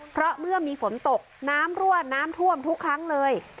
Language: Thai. เพราะเมื่อมีฝนตกน้ำรั่วน้ำท่วมทุกครั้งเลย